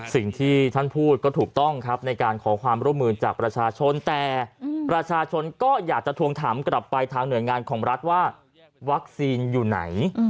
สิ่งที่ท่านพูดก็ถูกต้องครับในการขอความร่วมมือจากประชาชนแต่ประชาชนก็อยากจะทวงถามกลับไปทางหน่วยงานของรัฐว่าวัคซีนอยู่ไหน